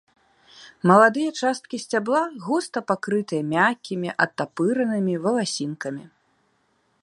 Маладыя часткі сцябла густа пакрытыя мяккімі адтапыранымі валасінкамі.